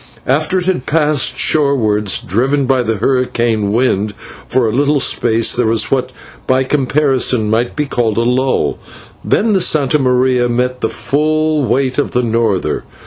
After it had passed shorewards, driven by the hurricane wind, for a little space there was what by comparison might be called a lull, then the /Santa Maria/ met the full weight of the norther.